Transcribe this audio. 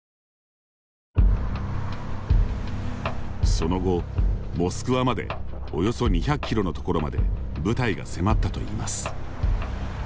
その後、モスクワまでおよそ２００キロのところまで部隊が迫ったといいます。